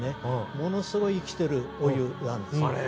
ものすごい生きてるお湯なんです。